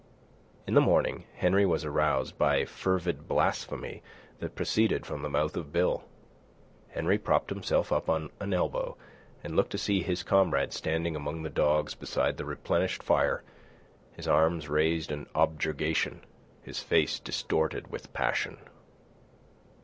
In the morning Henry was aroused by fervid blasphemy that proceeded from the mouth of Bill. Henry propped himself up on an elbow and looked to see his comrade standing among the dogs beside the replenished fire, his arms raised in objurgation, his face distorted with passion.